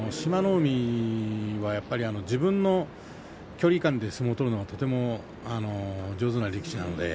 海はやっぱり自分の距離感で相撲を取るのがとても上手な力士です。